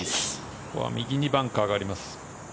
ここは右にバンカーがあります。